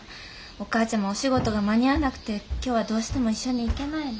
お母ちゃまお仕事が間に合わなくて今日はどうしても一緒に行けないの。